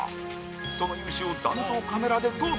その勇姿を残像カメラで、どうぞ！